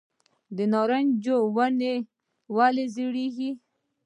د نارنج ونې ولې ژیړیږي؟